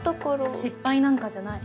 失敗なんかじゃない。